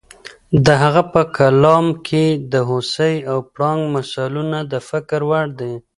د هغه په کلام کې د هوسۍ او پړانګ مثالونه د فکر وړ دي.